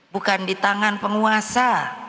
bukan di tangan penguasa